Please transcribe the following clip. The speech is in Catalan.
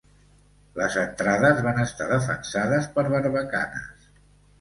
Les entrades van estar defensades per barbacanes.